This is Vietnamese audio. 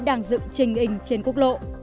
đang dựng trình inh trên quốc lộ